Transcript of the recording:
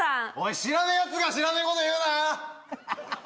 知らねえやつが知らねえこと言うな！